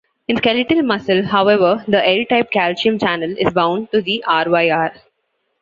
In skeletal muscle, however, the L-type calcium channel is bound to the RyR.